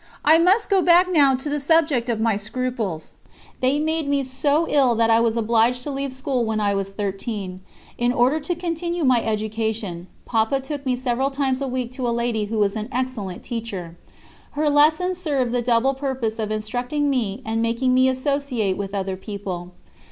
I must go back now to the subject of my scruples. They made me so ill that I was obliged to leave school when I was thirteen. In order to continue my education, Papa took me several times a week to a lady who was an excellent teacher. Her lessons served the double purpose of instructing me and making me associate with other people.